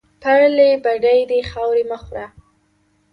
پرلې بډۍ دې خاورې مه خوره